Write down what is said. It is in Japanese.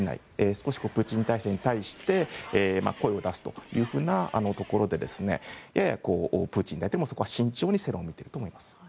少しプーチン体制に対して声を出すというところでやや、プーチン大統領もそこは慎重に世論を見ていると思います。